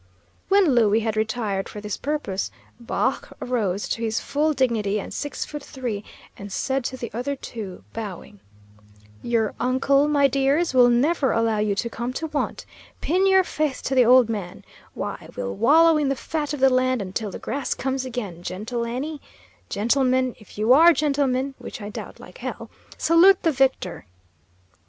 When Louie had retired for this purpose, Baugh arose to his full dignity and six foot three, and said to the other two, bowing, "Your uncle, my dears, will never allow you to come to want. Pin your faith to the old man. Why, we'll wallow in the fat of the land until the grass comes again, gentle Annie. Gentlemen, if you are gentlemen, which I doubt like hell, salute the victor!"